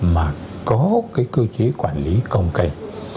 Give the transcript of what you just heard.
mà có cái cơ chế quản lý công cành